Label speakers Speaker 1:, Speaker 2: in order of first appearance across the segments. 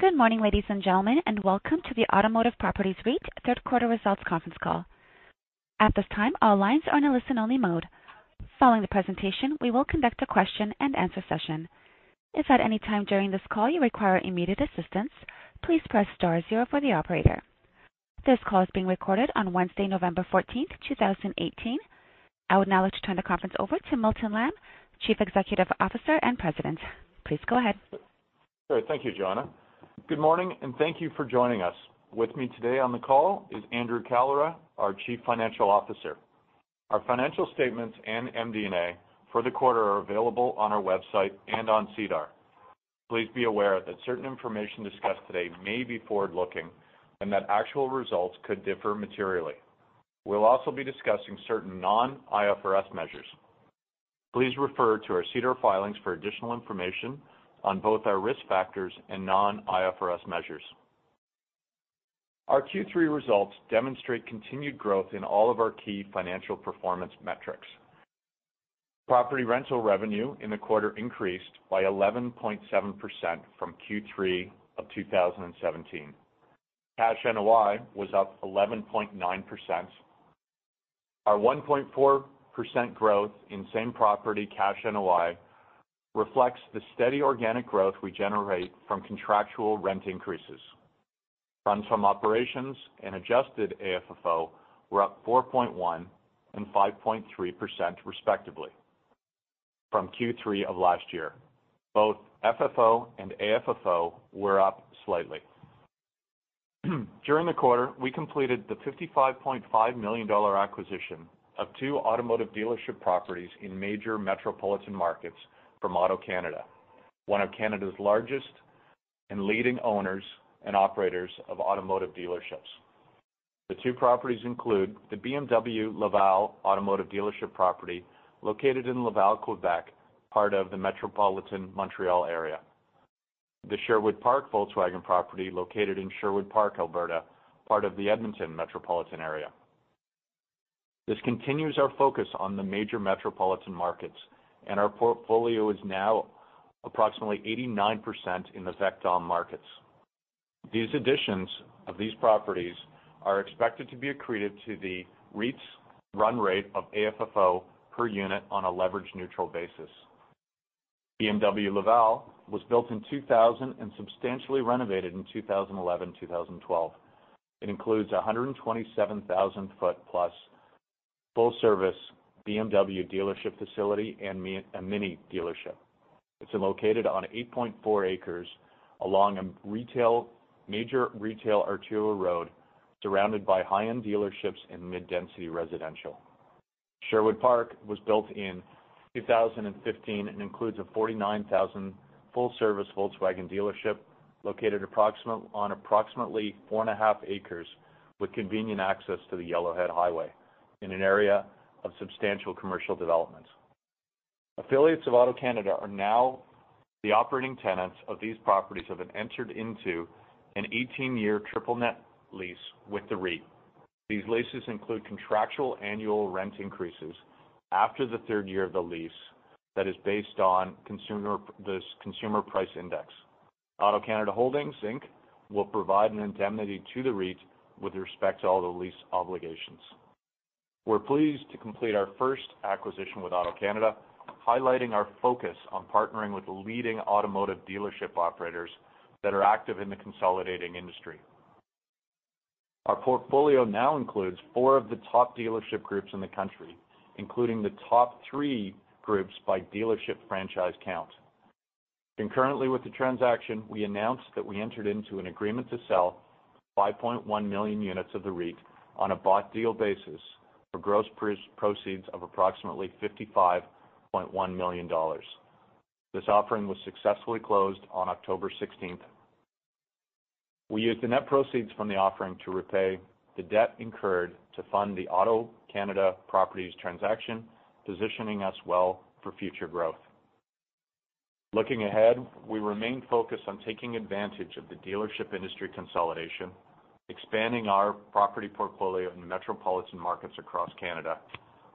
Speaker 1: Good morning, ladies and gentlemen, and welcome to the Automotive Properties REIT third quarter results conference call. At this time, all lines are in listen-only mode. Following the presentation, we will conduct a question and answer session. If at any time during this call you require immediate assistance, please press star zero for the operator. This call is being recorded on Wednesday, November 14, 2018. I would now like to turn the conference over to Milton Lamb, Chief Executive Officer and President. Please go ahead.
Speaker 2: Great. Thank you, Joanna. Good morning, and thank you for joining us. With me today on the call is Andrew Kalra, our Chief Financial Officer. Our financial statements and MD&A for the quarter are available on our website and on SEDAR. Please be aware that certain information discussed today may be forward-looking and that actual results could differ materially. We will also be discussing certain non-IFRS measures. Please refer to our SEDAR filings for additional information on both our risk factors and non-IFRS measures. Our Q3 results demonstrate continued growth in all of our key financial performance metrics. Property rental revenue in the quarter increased by 11.7% from Q3 of 2017. Cash NOI was up 11.9%. Our 1.4% growth in same property cash NOI reflects the steady organic growth we generate from contractual rent increases. Funds from operations and adjusted AFFO were up 4.1% and 5.3%, respectively, from Q3 of last year. Both FFO and AFFO were up slightly. During the quarter, we completed the 55.5 million dollar acquisition of two automotive dealership properties in major metropolitan markets for AutoCanada, one of Canada's largest and leading owners and operators of automotive dealerships. The two properties include the BMW Laval Automotive dealership property located in Laval, Quebec, part of the metropolitan Montreal area, the Sherwood Park Volkswagen property located in Sherwood Park, Alberta, part of the Edmonton metropolitan area. This continues our focus on the major metropolitan markets. Our portfolio is now approximately 89% in the VECTOM markets. These additions of these properties are expected to be accretive to the REIT's run rate of AFFO per unit on a leverage-neutral basis. BMW Laval was built in 2000 and substantially renovated in 2011 and 2012. It includes 127,000-foot-plus full-service BMW dealership facility and a MINI dealership. It is located on 8.4 acres along a major retail arterial road, surrounded by high-end dealerships and mid-density residential. Sherwood Park was built in 2015 and includes a 49,000 full-service Volkswagen dealership located on approximately four and a half acres, with convenient access to the Yellowhead Highway in an area of substantial commercial development. Affiliates of AutoCanada are now the operating tenants of these properties, have been entered into an 18-year triple-net lease with the REIT. These leases include contractual annual rent increases after the third year of the lease that is based on the consumer price index. AutoCanada Holdings, Inc. will provide an indemnity to the REIT with respect to all the lease obligations. We're pleased to complete our first acquisition with AutoCanada, highlighting our focus on partnering with leading automotive dealership operators that are active in the consolidating industry. Our portfolio now includes four of the top dealership groups in the country, including the top three groups by dealership franchise count. Concurrently with the transaction, we announced that we entered into an agreement to sell 5.1 million units of the REIT on a bought-deal basis for gross proceeds of approximately 55.1 million dollars. This offering was successfully closed on October 16th. We used the net proceeds from the offering to repay the debt incurred to fund the AutoCanada properties transaction, positioning us well for future growth. Looking ahead, we remain focused on taking advantage of the dealership industry consolidation, expanding our property portfolio in the metropolitan markets across Canada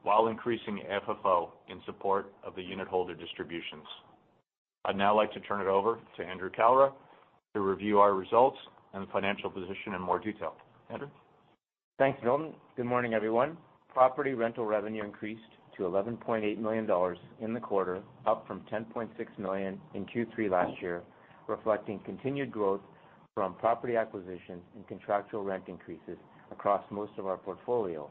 Speaker 2: while increasing AFFO in support of the unitholder distributions. I'd now like to turn it over to Andrew Kalra to review our results and financial position in more detail. Andrew?
Speaker 3: Thanks, Milton. Good morning, everyone. Property rental revenue increased to 11.8 million dollars in the quarter, up from 10.6 million in Q3 last year, reflecting continued growth from property acquisitions and contractual rent increases across most of our portfolio.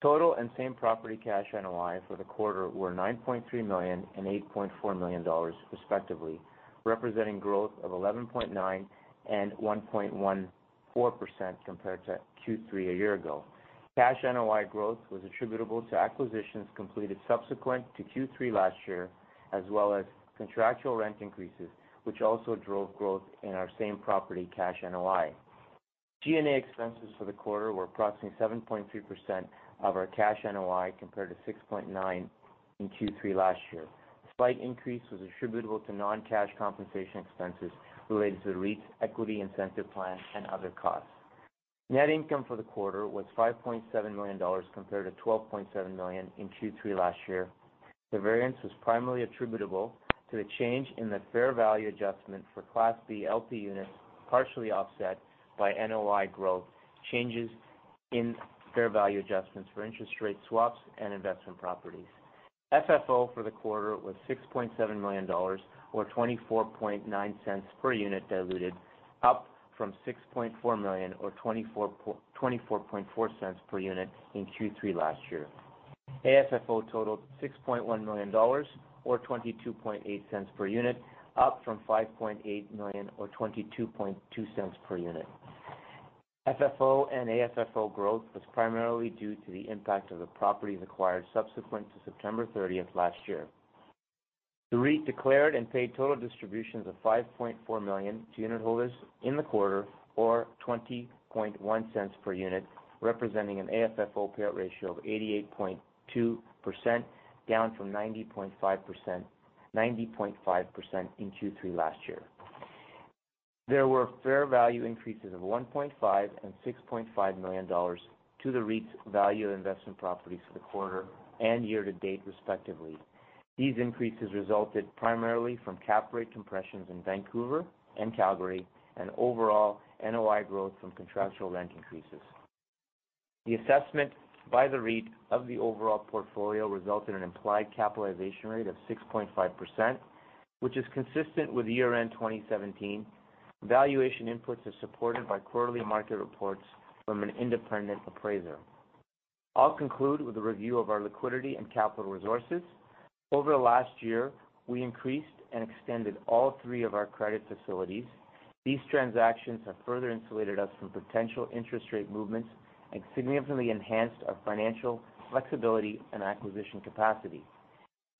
Speaker 3: Total and same property cash NOI for the quarter were 9.3 million and 8.4 million dollars, respectively, representing growth of 11.9% and 1.14% compared to Q3 a year ago. Cash NOI growth was attributable to acquisitions completed subsequent to Q3 last year, as well as contractual rent increases, which also drove growth in our same property cash NOI. G&A expenses for the quarter were approximately 7.3% of our cash NOI, compared to 6.9% in Q3 last year. The slight increase was attributable to non-cash compensation expenses related to the REIT's equity incentive plan and other costs. Net income for the quarter was 5.7 million dollars, compared to 12.7 million in Q3 last year. The variance was primarily attributable to the change in the fair value adjustment for Class B LP units, partially offset by NOI growth, changes in fair value adjustments for interest rate swaps, and investment properties. FFO for the quarter was 6.7 million dollars, or 0.249 per unit diluted, up from 6.4 million or 0.244 per unit in Q3 last year. AFFO totaled 6.1 million dollars or 0.228 per unit, up from 5.8 million or 0.222 per unit. FFO and AFFO growth was primarily due to the impact of the properties acquired subsequent to September 30th last year. The REIT declared and paid total distributions of 5.4 million to unitholders in the quarter, or 0.201 per unit, representing an AFFO payout ratio of 88.2%, down from 90.5% in Q3 last year. There were fair value increases of 1.5 million and 6.5 million dollars to the REIT's value investment properties for the quarter and year to date, respectively. These increases resulted primarily from cap rate compressions in Vancouver and Calgary and overall NOI growth from contractual rent increases. The assessment by the REIT of the overall portfolio resulted in an implied capitalization rate of 6.5%, which is consistent with year-end 2017. Valuation inputs are supported by quarterly market reports from an independent appraiser. I'll conclude with a review of our liquidity and capital resources. Over the last year, we increased and extended all three of our credit facilities. These transactions have further insulated us from potential interest rate movements and significantly enhanced our financial flexibility and acquisition capacity.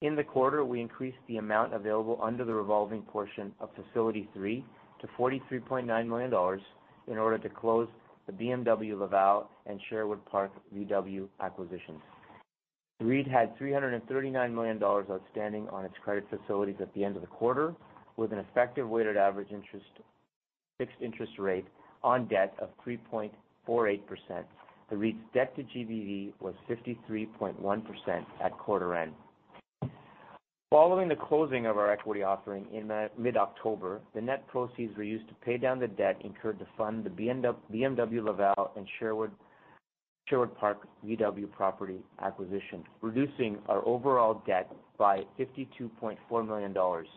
Speaker 3: In the quarter, we increased the amount available under the revolving portion of facility three to 43.9 million dollars in order to close the BMW Laval and Sherwood Park Volkswagen acquisitions. The REIT had 339 million dollars outstanding on its credit facilities at the end of the quarter, with an effective weighted average fixed interest rate on debt of 3.48%. The REIT's debt to GDV was 53.1% at quarter end. Following the closing of our equity offering in mid-October, the net proceeds were used to pay down the debt incurred to fund the BMW Laval and Sherwood Park Volkswagen property acquisition, reducing our overall debt by 52.4 million dollars.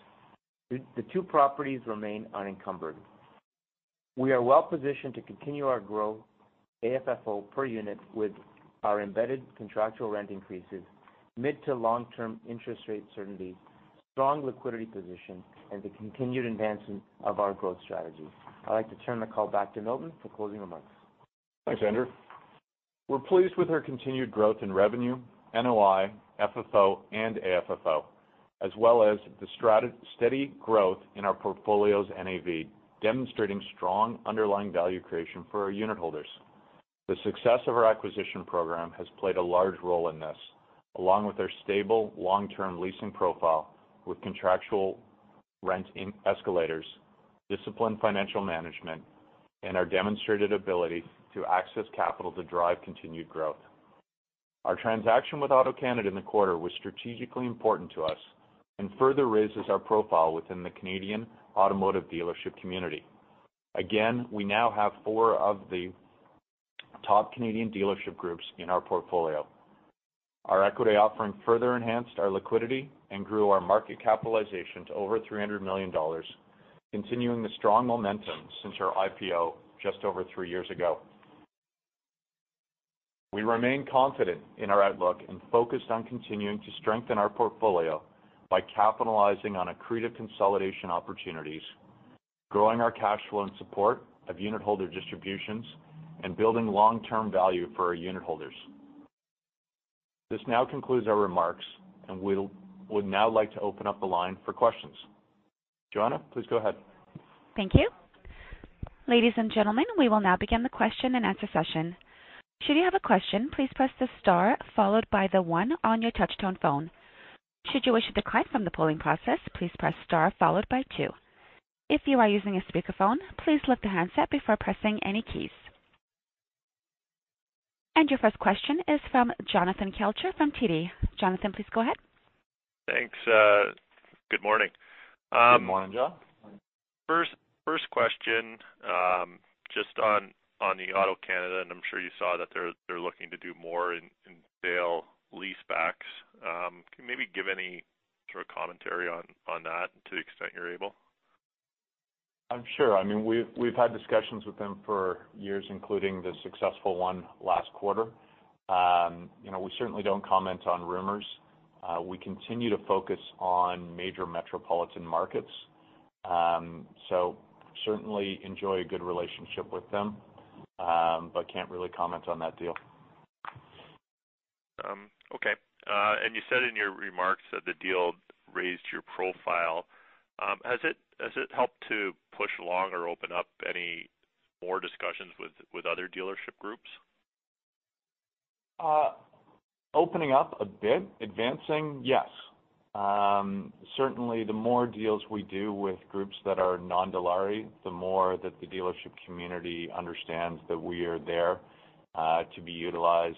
Speaker 3: The two properties remain unencumbered. We are well-positioned to continue our growth, AFFO per unit with our embedded contractual rent increases, mid- to long-term interest rate certainty, strong liquidity position, and the continued advancement of our growth strategy. I'd like to turn the call back to Milton for closing remarks.
Speaker 2: Thanks, Andrew. We're pleased with our continued growth in revenue, NOI, FFO, and AFFO, as well as the steady growth in our portfolio's NAV, demonstrating strong underlying value creation for our unitholders. The success of our acquisition program has played a large role in this, along with our stable long-term leasing profile with contractual rent escalators, disciplined financial management, and our demonstrated ability to access capital to drive continued growth. Our transaction with AutoCanada in the quarter was strategically important to us and further raises our profile within the Canadian automotive dealership community. Again, we now have four of the top Canadian dealership groups in our portfolio. Our equity offering further enhanced our liquidity and grew our market capitalization to over 300 million dollars, continuing the strong momentum since our IPO just over three years ago. We remain confident in our outlook and focused on continuing to strengthen our portfolio by capitalizing on accretive consolidation opportunities, growing our cash flow in support of unitholder distributions, and building long-term value for our unitholders. This now concludes our remarks, and we would now like to open up the line for questions. Joanna, please go ahead.
Speaker 1: Thank you. Ladies and gentlemen, we will now begin the question-and-answer session. Should you have a question, please press the star followed by the one on your touch-tone phone. Should you wish to decline from the polling process, please press star followed by two. If you are using a speakerphone, please lift the handset before pressing any keys. Your first question is from Jonathan Kelcher from TD. Jonathan, please go ahead.
Speaker 4: Thanks. Good morning.
Speaker 3: Good morning, Jon.
Speaker 4: First question, just on the AutoCanada. I'm sure you saw that they're looking to do more in sale leasebacks. Can you maybe give any sort of commentary on that, to the extent you're able?
Speaker 2: Sure. We've had discussions with them for years, including the successful one last quarter. We certainly don't comment on rumors. We continue to focus on major metropolitan markets. Certainly enjoy a good relationship with them, but can't really comment on that deal.
Speaker 4: Okay. You said in your remarks that the deal raised your profile. Has it helped to push along or open up any more discussions with other dealership groups?
Speaker 2: Opening up a bit. Advancing? Yes. Certainly, the more deals we do with groups that are non-Dilawri, the more that the dealership community understands that we are there to be utilized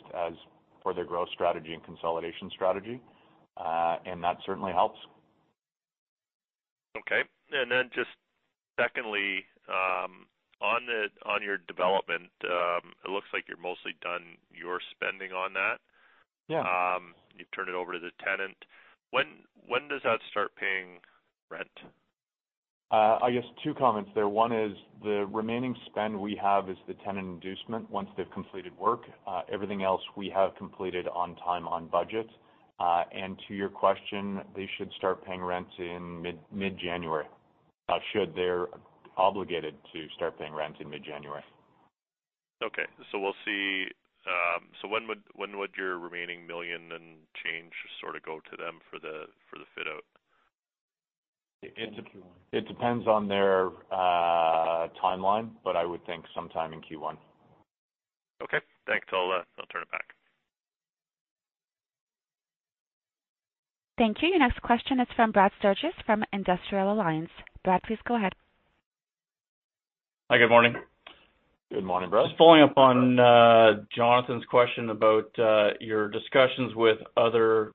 Speaker 2: for their growth strategy and consolidation strategy, and that certainly helps.
Speaker 4: Okay. Then just secondly, on your development, it looks like you're mostly done your spending on that.
Speaker 2: Yeah.
Speaker 4: You've turned it over to the tenant. When does that start paying rent?
Speaker 2: I guess two comments there. One is the remaining spend we have is the tenant inducement, once they've completed work. Everything else we have completed on time, on budget. To your question, they should start paying rent in mid-January. Not should, they're obligated to start paying rent in mid-January.
Speaker 4: When would your remaining million and change sort of go to them for the fit out?
Speaker 2: It depends on their timeline, but I would think sometime in Q1.
Speaker 4: Okay, thanks. I'll turn it back.
Speaker 1: Thank you. Your next question is from Brad Sturges from Industrial Alliance. Brad, please go ahead.
Speaker 5: Hi, good morning.
Speaker 2: Good morning, Brad.
Speaker 5: Just following up on Jonathan's question about your discussions with other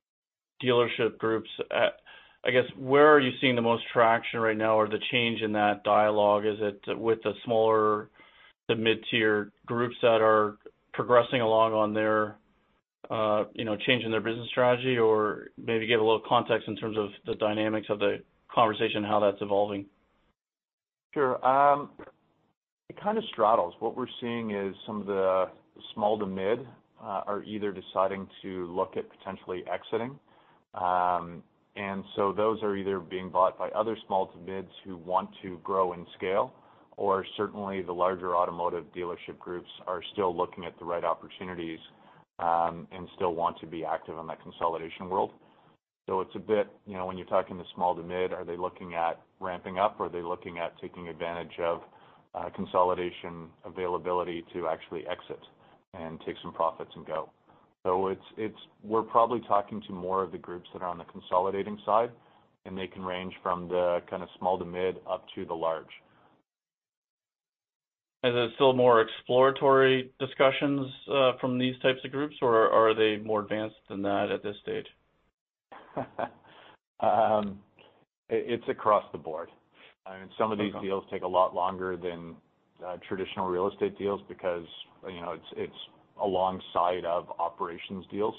Speaker 5: dealership groups. I guess, where are you seeing the most traction right now or the change in that dialogue? Is it with the smaller, the mid-tier groups that are progressing along on changing their business strategy, or maybe give a little context in terms of the dynamics of the conversation, how that's evolving?
Speaker 2: Sure. It kind of straddles. What we're seeing is some of the small to mid are either deciding to look at potentially exiting. Those are either being bought by other small to mids who want to grow in scale, or certainly the larger automotive dealership groups are still looking at the right opportunities, and still want to be active in that consolidation world. It's a bit, when you're talking to small to mid, are they looking at ramping up? Are they looking at taking advantage of consolidation availability to actually exit and take some profits and go? We're probably talking to more of the groups that are on the consolidating side, and they can range from the kind of small to mid, up to the large.
Speaker 5: There's still more exploratory discussions from these types of groups, or are they more advanced than that at this stage?
Speaker 2: It's across the board.
Speaker 5: Okay.
Speaker 2: Some of these deals take a lot longer than traditional real estate deals because it's alongside of operations deals.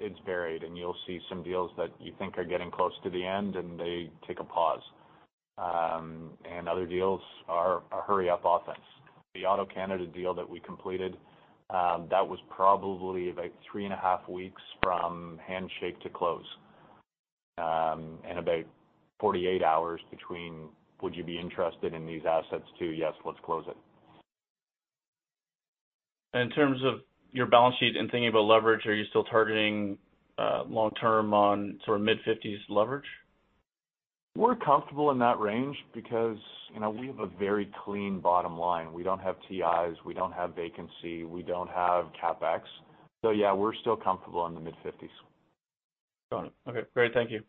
Speaker 2: It's varied, and you'll see some deals that you think are getting close to the end, and they take a pause. Other deals are a hurry up offense. The AutoCanada deal that we completed, that was probably about three and a half weeks from handshake to close. About 48 hours between, "Would you be interested in these assets?" to, "Yes, let's close it.
Speaker 5: In terms of your balance sheet and thinking about leverage, are you still targeting long-term on sort of mid-50s leverage?
Speaker 2: We're comfortable in that range because we have a very clean bottom line. We don't have TIs, we don't have vacancy, we don't have CapEx. Yeah, we're still comfortable in the mid-50s.
Speaker 5: Got it. Okay, great. Thank you.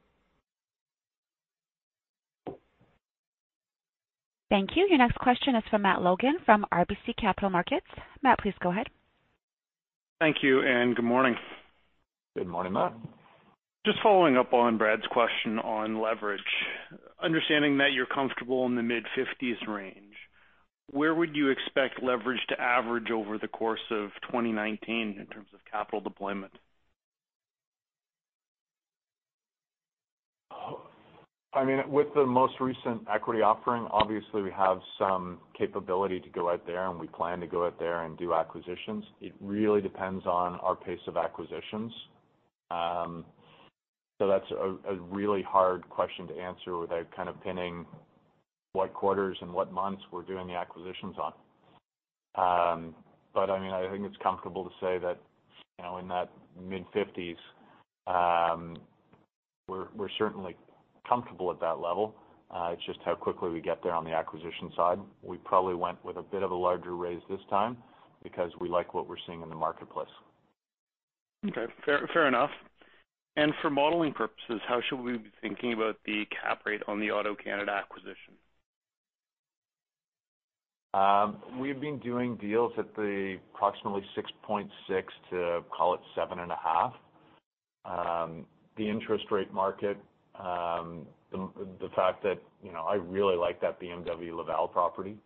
Speaker 1: Thank you. Your next question is from Matt Logan from RBC Capital Markets. Matt, please go ahead.
Speaker 6: Thank you. Good morning.
Speaker 2: Good morning, Matt.
Speaker 6: Just following up on Brad's question on leverage. Understanding that you're comfortable in the mid-50s range, where would you expect leverage to average over the course of 2019 in terms of capital deployment?
Speaker 2: With the most recent equity offering, obviously, we have some capability to go out there, and we plan to go out there and do acquisitions. It really depends on our pace of acquisitions. That's a really hard question to answer without kind of pinning what quarters and what months we're doing the acquisitions on. I think it's comfortable to say that in that mid-50s, we're certainly comfortable at that level. It's just how quickly we get there on the acquisition side. We probably went with a bit of a larger raise this time because we like what we're seeing in the marketplace.
Speaker 6: Okay. Fair enough. For modeling purposes, how should we be thinking about the cap rate on the AutoCanada acquisition?
Speaker 2: We've been doing deals at approximately 6.6% to call it 7.5%. The interest rate market, the fact that I really like that BMW Laval property,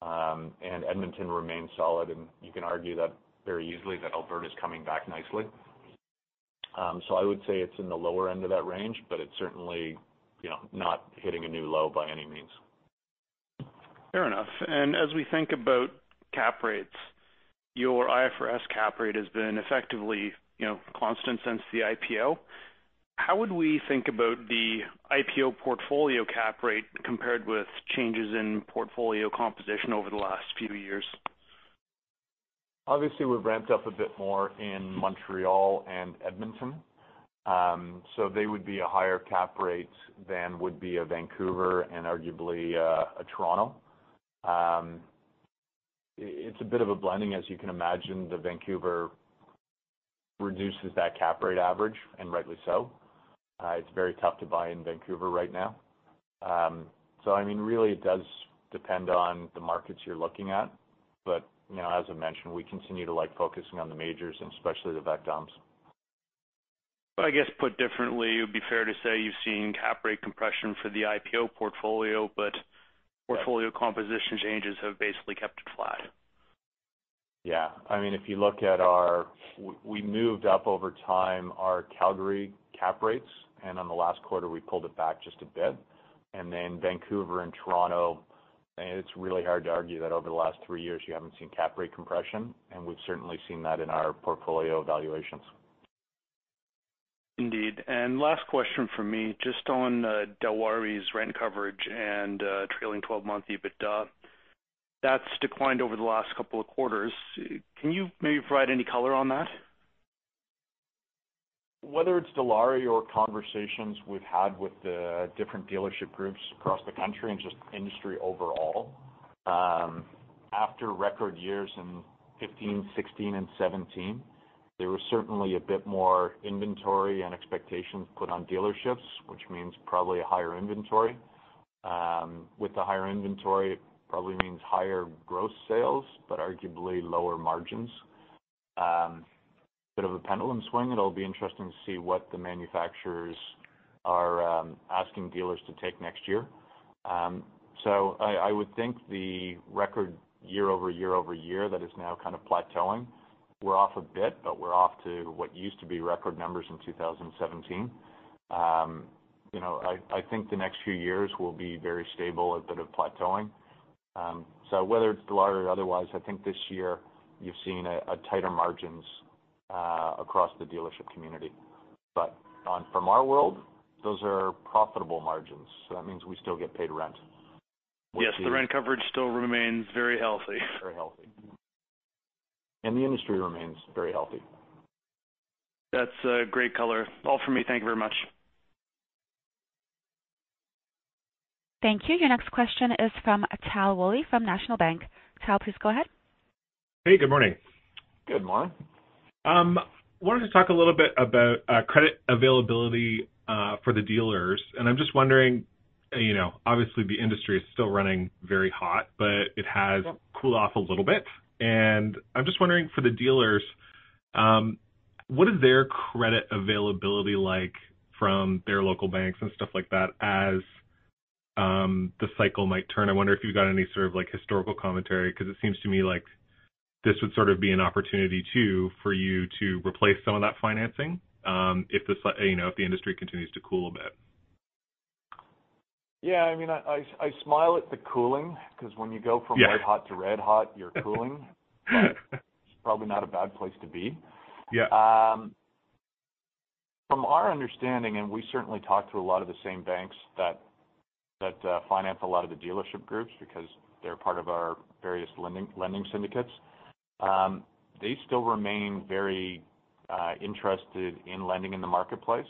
Speaker 2: and Edmonton remains solid, and you can argue that very easily that Alberta's coming back nicely. I would say it's in the lower end of that range, it's certainly not hitting a new low by any means.
Speaker 6: Fair enough. As we think about cap rates, your IFRS cap rate has been effectively constant since the IPO. How would we think about the IPO portfolio cap rate compared with changes in portfolio composition over the last few years?
Speaker 2: Obviously, we've ramped up a bit more in Montreal and Edmonton. They would be a higher cap rate than would be a Vancouver and arguably, a Toronto. It's a bit of a blending, as you can imagine. The Vancouver reduces that cap rate average, and rightly so. It's very tough to buy in Vancouver right now. Really, it does depend on the markets you're looking at. As I mentioned, we continue to like focusing on the majors and especially the VECTOMs.
Speaker 6: I guess put differently, it would be fair to say you've seen cap rate compression for the IPO portfolio, but portfolio composition changes have basically kept it flat.
Speaker 2: Yeah. We moved up over time our Calgary cap rates, and on the last quarter, we pulled it back just a bit. Vancouver and Toronto, it's really hard to argue that over the last three years you haven't seen cap rate compression, and we've certainly seen that in our portfolio valuations.
Speaker 6: Indeed. Last question from me, just on Dilawri's rent coverage and trailing 12-month EBITDA. That's declined over the last couple of quarters. Can you maybe provide any color on that?
Speaker 2: Whether it's Dilawri or conversations we've had with the different dealership groups across the country and just the industry overall, after record years in 2015, 2016, and 2017, there was certainly a bit more inventory and expectations put on dealerships, which means probably a higher inventory. With the higher inventory, it probably means higher gross sales, but arguably lower margins. A bit of a pendulum swing. It'll be interesting to see what the manufacturers are asking dealers to take next year. I would think the record year-over-year-over-year that is now kind of plateauing, we're off a bit, but we're off to what used to be record numbers in 2017. I think the next few years will be very stable, a bit of plateauing. Whether it's Dilawri or otherwise, I think this year you've seen tighter margins across the dealership community. From our world, those are profitable margins, so that means we still get paid rent.
Speaker 6: Yes, the rent coverage still remains very healthy.
Speaker 2: Very healthy. The industry remains very healthy.
Speaker 6: That's a great color. All from me. Thank you very much.
Speaker 1: Thank you. Your next question is from Tal Woolley from National Bank. Tal, please go ahead.
Speaker 7: Hey, good morning.
Speaker 2: Good morning.
Speaker 7: Wanted to talk a little bit about credit availability for the dealers. I'm just wondering, obviously, the industry is still running very hot, but it has cooled off a little bit. I'm just wondering for the dealers, what is their credit availability like from their local banks and stuff like that as the cycle might turn? I wonder if you've got any sort of historical commentary, because it seems to me like this would sort of be an opportunity too for you to replace some of that financing, if the industry continues to cool a bit.
Speaker 2: Yeah. I smile at the cooling because when you go
Speaker 7: Yeah
Speaker 2: red hot to red hot, you're cooling. It's probably not a bad place to be.
Speaker 7: Yeah.
Speaker 2: From our understanding, we certainly talk to a lot of the same banks that finance a lot of the dealership groups because they're part of our various lending syndicates. They still remain very interested in lending in the marketplace.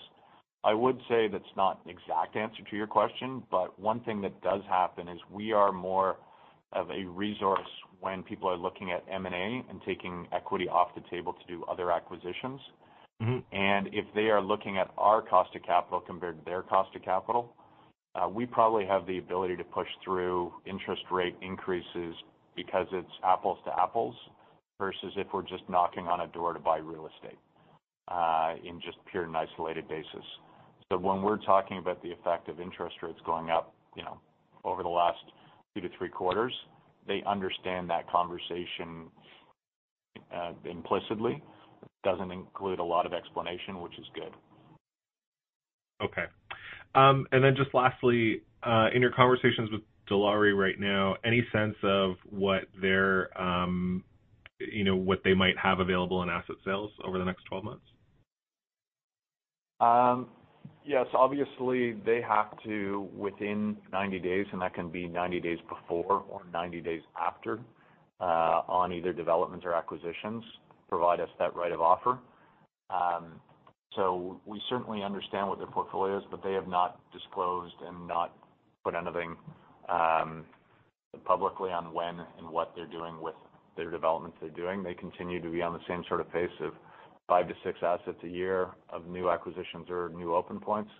Speaker 2: I would say that's not an exact answer to your question, but one thing that does happen is we are more of a resource when people are looking at M&A and taking equity off the table to do other acquisitions. If they are looking at our cost of capital compared to their cost of capital, we probably have the ability to push through interest rate increases because it's apples to apples, versus if we're just knocking on a door to buy real estate in just a pure and isolated basis. When we're talking about the effect of interest rates going up over the last two to three quarters, they understand that conversation implicitly. It doesn't include a lot of explanation, which is good.
Speaker 7: Okay. Just lastly, in your conversations with Dilawri right now, any sense of what they might have available in asset sales over the next 12 months?
Speaker 2: Yes, obviously they have to, within 90 days, and that can be 90 days before or 90 days after, on either developments or acquisitions, provide us that right of offer. We certainly understand what their portfolio is, they have not disclosed and not put anything publicly on when and what they're doing with their developments they're doing. They continue to be on the same sort of pace of five to six assets a year of new acquisitions or new open points,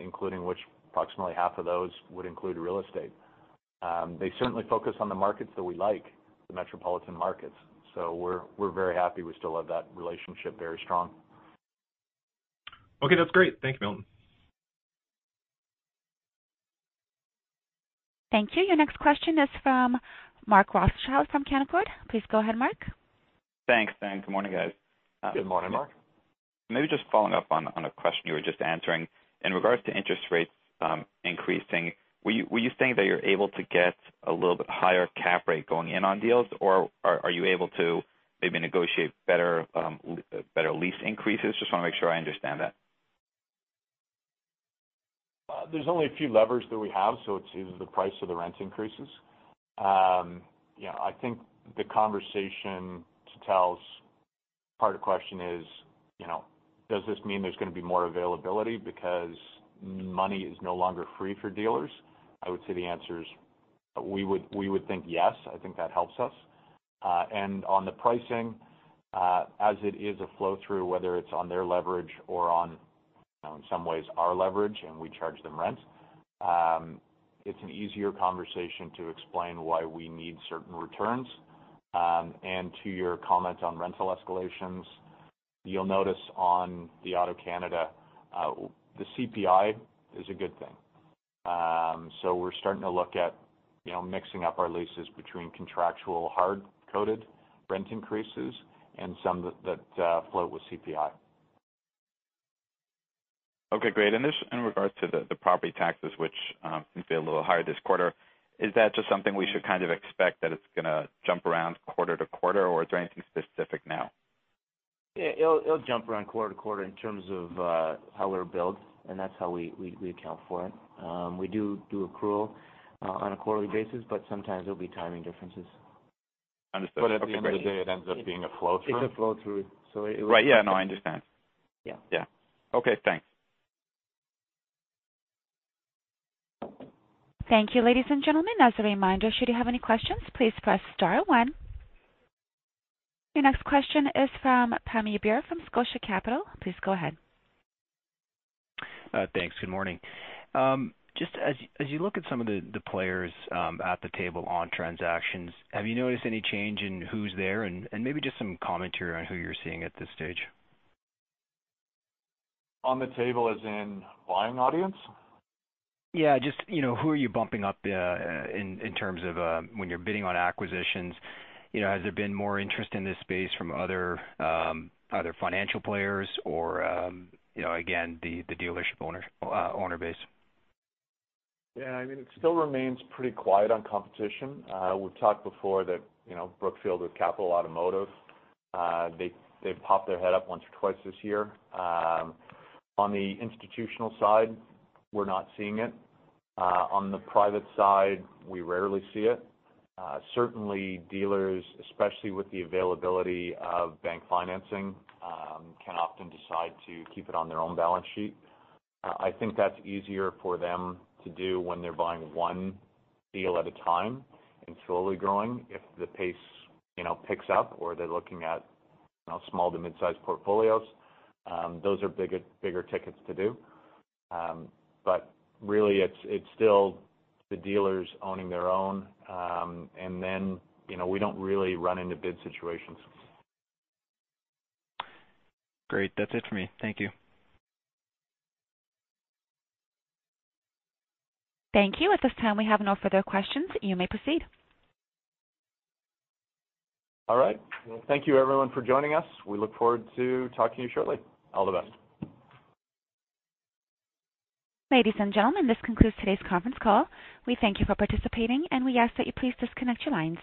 Speaker 2: including which approximately half of those would include real estate. They certainly focus on the markets that we like, the metropolitan markets. We're very happy we still have that relationship very strong.
Speaker 7: Okay, that's great. Thank you, Milton.
Speaker 1: Thank you. Your next question is from Mark Rothschild from Canaccord. Please go ahead, Mark.
Speaker 8: Thanks. Good morning, guys.
Speaker 2: Good morning, Mark.
Speaker 8: Maybe just following up on a question you were just answering. In regards to interest rates increasing, were you saying that you're able to get a little bit higher cap rate going in on deals, or are you able to maybe negotiate better lease increases? Just want to make sure I understand that.
Speaker 2: There's only a few levers that we have, so it's either the price or the rent increases. I think the conversation to Tal's part of the question is, does this mean there's going to be more availability because money is no longer free for dealers? I would say the answer is, we would think yes, I think that helps us. On the pricing, as it is a flow-through, whether it's on their leverage or on, in some ways, our leverage, and we charge them rent, it's an easier conversation to explain why we need certain returns. To your comment on rental escalations, you'll notice on the AutoCanada, the CPI is a good thing. We're starting to look at mixing up our leases between contractual hard-coded rent increases and some that float with CPI.
Speaker 8: Okay, great. Just in regards to the property taxes, which seem to be a little higher this quarter, is that just something we should kind of expect that it's going to jump around quarter to quarter, or is there anything specific now?
Speaker 3: Yeah, it'll jump around quarter to quarter in terms of how they're billed, and that's how we account for it. We do accrual on a quarterly basis, but sometimes there'll be timing differences.
Speaker 8: Understood. Okay, great.
Speaker 2: At the end of the day, it ends up being a flow-through.
Speaker 3: It's a flow-through.
Speaker 8: Right. Yeah, no, I understand.
Speaker 3: Yeah.
Speaker 8: Yeah. Okay, thanks.
Speaker 1: Thank you, ladies and gentlemen. As a reminder, should you have any questions, please press star one. Your next question is from Pammi Bir from Scotia Capital. Please go ahead.
Speaker 9: Thanks. Good morning. Just as you look at some of the players at the table on transactions, have you noticed any change in who's there and maybe just some commentary on who you're seeing at this stage?
Speaker 2: On the table as in buying audience?
Speaker 9: Yeah, just who are you bumping up in terms of when you're bidding on acquisitions? Has there been more interest in this space from other financial players or, again, the dealership owner base?
Speaker 2: Yeah, it still remains pretty quiet on competition. We've talked before that Brookfield with Capital Automotive they've popped their head up once or twice this year. On the institutional side, we're not seeing it. On the private side, we rarely see it. Certainly dealers, especially with the availability of bank financing, can often decide to keep it on their own balance sheet. I think that's easier for them to do when they're buying one deal at a time and slowly growing. If the pace picks up or they're looking at small to mid-size portfolios, those are bigger tickets to do. Really, it's still the dealers owning their own, and then, we don't really run into bid situations.
Speaker 9: Great. That's it for me. Thank you.
Speaker 1: Thank you. At this time, we have no further questions. You may proceed.
Speaker 2: All right. Well, thank you, everyone, for joining us. We look forward to talking to you shortly. All the best.
Speaker 1: Ladies and gentlemen, this concludes today's conference call. We thank you for participating, and we ask that you please disconnect your lines.